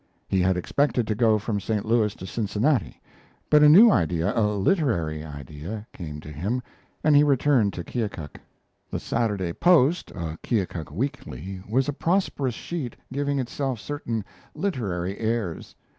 He had expected to go from St. Louis to Cincinnati, but a new idea a literary idea came to him, and he returned to Keokuk. The Saturday Post, a Keokuk weekly, was a prosperous sheet giving itself certain literary airs.